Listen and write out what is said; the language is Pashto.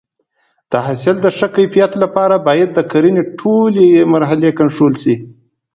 د حاصل د ښه کیفیت لپاره باید د کرنې ټولې مرحلې کنټرول شي.